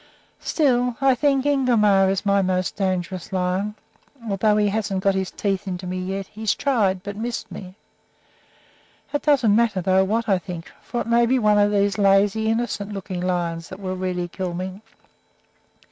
Still, I think Ingomar is my most dangerous lion, although he hasn't got his teeth in me yet; he's tried, but missed me. It doesn't matter, though, what I think, for it may be one of these lazy, innocent looking lions that will really kill me.